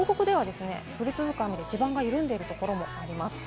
東北ではですね、地盤が緩んでいるところがあります。